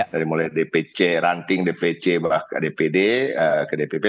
dari mulai dpc ranting dpc dpd ke dpp